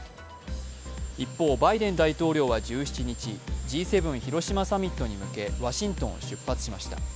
一方バイデン大統領は１７日、Ｇ７広島サミットに向け、ワシントンを出発しました。